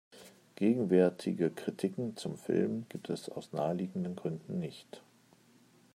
Gegenwärtige Kritiken zum Film gibt es aus naheliegenden Gründen nicht.